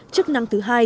chức năng thứ hai là